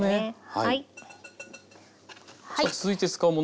はい。